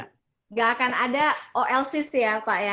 tidak akan ada olcs ya pak ya